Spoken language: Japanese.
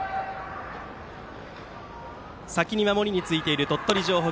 先に守りについている鳥取城北。